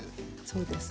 そうです。